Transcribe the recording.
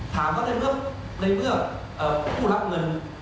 ถามว่าในเมื่อผู้รับเงิน